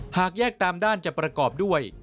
หากแยกตามด้านจะประกอบด้วย